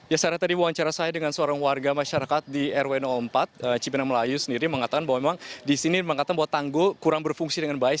ya secara tadi wawancara saya dengan seorang warga masyarakat di rw empat cipinang melayu sendiri mengatakan bahwa memang di sini mengatakan bahwa tanggul kurang berfungsi dengan baik